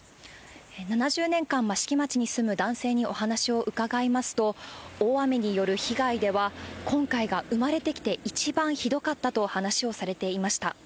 ７０年間、益城町に住む男性にお話を伺いますと、大雨による被害では、今回が生まれてきて一番ひどかったと話しをされていました。